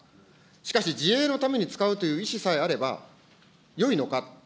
しかし、自衛のために使うという意思さえあれば、よいのか。